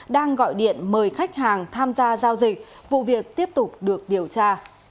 đang gọi điện mời khách hàng tham gia giao dịch vụ việc tiếp tục được điều tra